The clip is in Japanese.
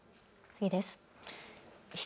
次です。